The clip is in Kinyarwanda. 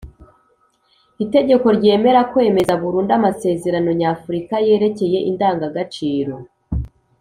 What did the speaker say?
Itegeko ryemera kwemeza burundu amasezerano nyafurika yerekeye indangagaciro